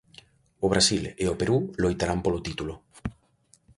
O Brasil e o Perú loitarán polo título.